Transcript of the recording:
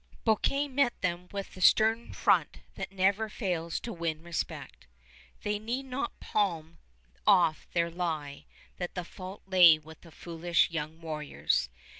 Bouquet met them with the stern front that never fails to win respect. They need not palm off their lie that the fault lay with the foolish young warriors.